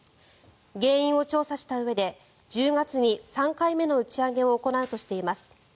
原因を調査したうえで１０月に３回目の打ち上げを行うとしています。